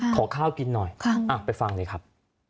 ขอข้าวกินหน่อยไปฟังเลยครับ